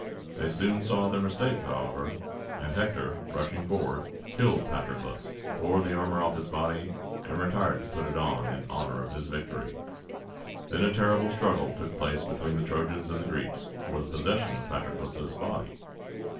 They soon saw their mistake, however; and Hector, rushing forward, killed Patroclus, tore the armor off his body, and retired to put it on in honor of his victory. Then a terrible struggle took place between the Trojans and the Greeks for the possession of Patroclus' body.